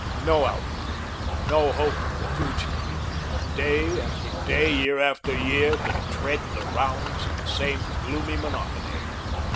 No outlook. No hope for the future. Day after day, year after year, to tread the rounds of the same gloomy monotony.